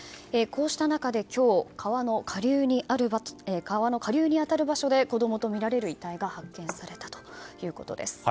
こうした中で今日川の下流に当たる場所で子供とみられる遺体が発見されたということです。